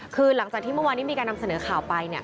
คือหลังจากที่เมื่อวานนี้มีการนำเสนอข่าวไปเนี่ย